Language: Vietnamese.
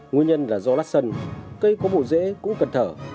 nguyên nhân là do lát sân cây có bộ dễ cũng cần thở